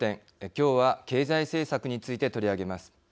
きょうは経済政策について取り上げます。